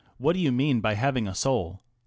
" What do you mean by having a soul ?